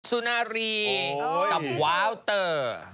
สุนารีกับว้าวเตอร์